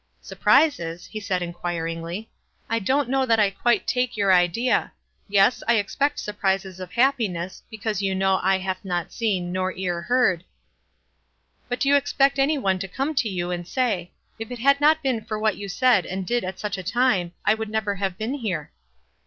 "Surprises?" he said, inquiringly. "I don't know that I quite take your idea — yes, I ex pect surprises of happiness, because you know eye hath not seen nor ear heard —" "But do you expect any one to come to you and say, 'If it had not been for what you said and did at such a time, I would never have been here?'"